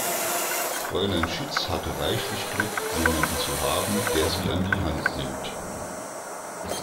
Fräulein Schütz hatte reichlich Glück, jemanden zu haben, der sie an die Hand nimmt.